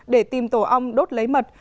để tìm tổ ong đốt lấy mật